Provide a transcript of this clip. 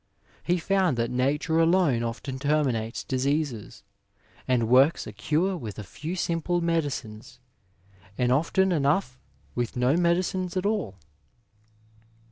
He found that Nature alone often terminates diseases, and works a cure with a few simple medicines, and often enough with no medicines at all."